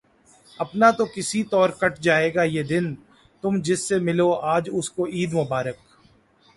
اپنا تو کسی طور کٹ جائے گا یہ دن، تم جس سے ملو آج اس کو عید مبارک